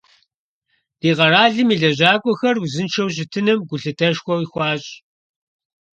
Ди къэралым и лэжьакӀуэхэр узыншэу щытыным гулъытэшхуэ хуащӀ.